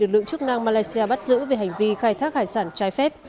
lực lượng chức năng malaysia bắt giữ về hành vi khai thác hải sản trái phép